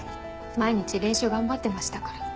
毎日練習頑張ってましたから。